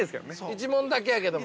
◆１問だけやけども。